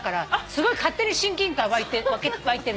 すごい勝手に親近感湧いてる私ね。